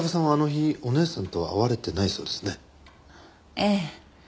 ええ。